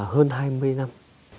hơn hai mươi năm